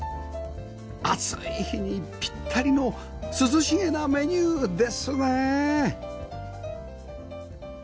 暑い日にピッタリの涼しげなメニューですね